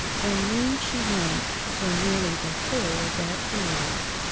And lame she went for nearly the whole of that period.